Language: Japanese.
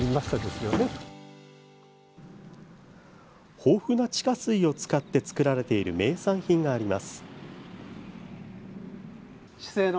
豊富な地下水を使って作られている名産品があります。